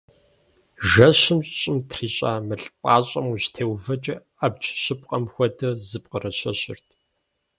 Жэщым щӏым трищӏа мыл пӏащӏэм ущытеувэкӏэ абдж щыпкъэм хуэдэу зэпкъырыщэщырт.